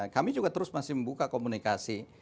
kami juga terus masih membuka komunikasi